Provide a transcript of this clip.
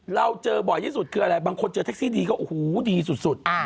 เราเจอบ่อยที่สุดคืออะไรบางคนเจอแท็กซี่ดีก็โอ้โหดีสุด